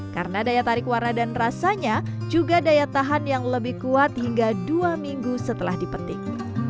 karena daya tarik warna dan rasanya juga daya tahan yang lebih kuat hingga dua minggu setelah dipetik